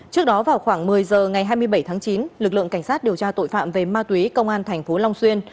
trước đó vào khoảng một mươi h ngày hai mươi bảy tháng chín lực lượng cảnh sát điều tra tội phạm về ma túy công an tp long xuyên